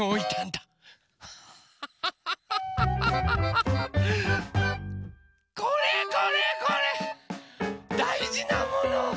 だいじなもの。